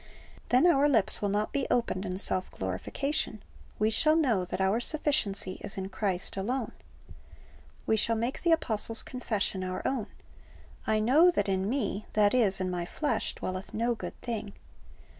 "" Then our lips will not be opened in self glorification. We shall know that our sufficiency is in Christ alone. We shall make the apostle's confession our own, "I know that in me (that is, in my flesh) dwelleth no good thing."